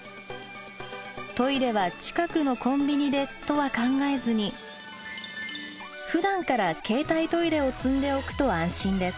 トイレは近くのコンビニでとは考えずにふだんから携帯トイレを積んでおくと安心です。